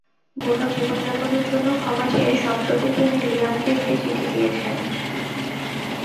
বুনো জীবনযাপনের জন্য ক্ষমা চেয়ে সম্প্রতি তিনি লিয়ামকে একটি চিঠি দিয়েছেন।